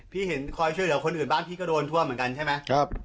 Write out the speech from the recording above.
พี่เห็นคอยช่วยเหลือคนอื่นบ้านพี่ก็โดนทั่วเหมือนกันใช่ไหม